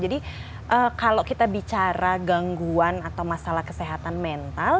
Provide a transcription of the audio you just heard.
jadi kalau kita bicara gangguan atau masalah kesehatan mental